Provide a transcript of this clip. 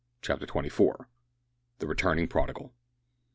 CHAPTER TWENTY FOUR. THE RETURNING PRODIGAL.